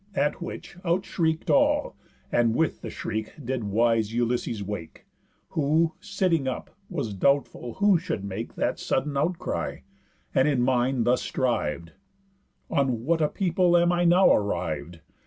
At which out shriek'd all, And with the shriek did wise Ulysses wake; Who, sitting up, was doubtful who should make That sudden outcry, and in mind thus striv'd: "On what a people am I now arriv'd?